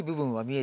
え？